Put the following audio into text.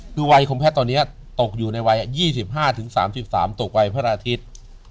คือวัยของแพทย์ตอนนี้ตกอยู่ในวัย๒๕๓๓ตกวัยพระอาทิตย์